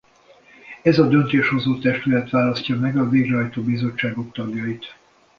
Ez a döntéshozó testület választja meg a végrehajtó bizottságok tagjait.